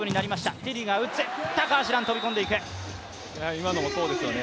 今のもそうですよね。